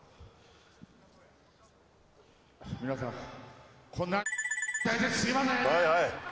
皆さんこんなですみません！